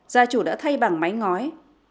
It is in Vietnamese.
gia chủ đã thay bằng mái ngói